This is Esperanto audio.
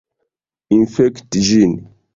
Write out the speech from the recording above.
Infekti ĝin!